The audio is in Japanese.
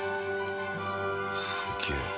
すげえ。